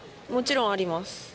もちろんあります